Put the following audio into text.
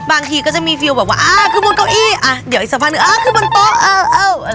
บางทีก็จะแบบบ้ั้งจะปธาบรถเก้าก้าวอี้เลยอ่ะเคยบนตัวเอ้า